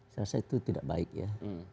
saya rasa itu tidak baik ya